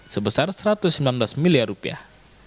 sebesar satu ratus sembilan belas miliar rupiah